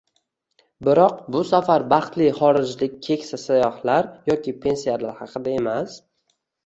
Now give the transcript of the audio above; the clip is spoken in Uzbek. Biroq, bu safar baxtli xorijlik keksa sayyohlar yoki pensiyalar haqida emas